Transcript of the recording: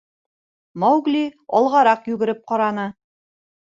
Маугли алғараҡ йүгереп ҡараны.